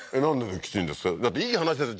だっていい話ですよ